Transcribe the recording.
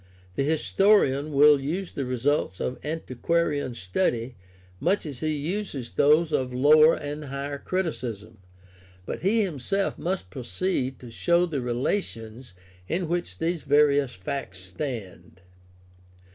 The historian will use the results of antiquarian study much as he uses those of lower and higher criticism, but he himself must proceed to show the relations in which these various facts stand.